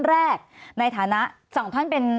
สวัสดีครับทุกคน